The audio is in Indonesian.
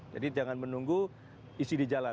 jadi jangan menunggu isi di jalan